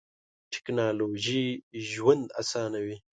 ټیکنالوژی ژوند اسانوی.